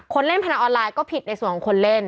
เล่นพนันออนไลน์ก็ผิดในส่วนของคนเล่น